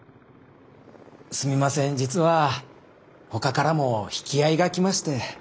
すみません実はほかからも引き合いが来まして。